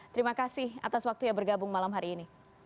terima kasih atas waktunya bergabung malam hari ini